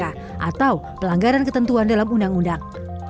atau pelanggaran ketentuan dalam undang undang